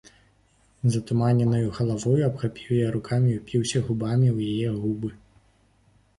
З затуманенаю галавою абхапіў яе рукамі і ўпіўся губамі ў яе губы.